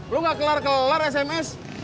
lu gak kelar kelar sms